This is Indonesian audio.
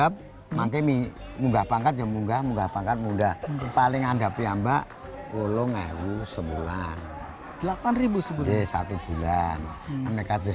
pun tambahin pituas